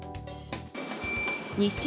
日清